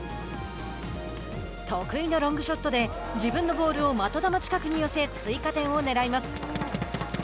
得意のロングショットで自分のボールを的球近くに寄せ追加点をねらいます。